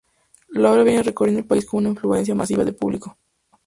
La obra viene recorriendo el país con una afluencia masiva de público.